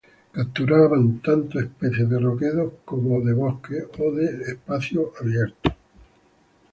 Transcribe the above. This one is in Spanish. Capturaban tanto especies de roquedo como de bosque o de espacios abiertos.